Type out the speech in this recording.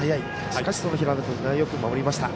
しかし平野君がよく守りました。